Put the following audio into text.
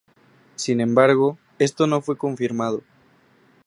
Sin embargo, esto no fue confirmado.